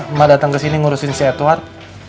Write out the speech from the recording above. emak dateng kesini ngurusin si edward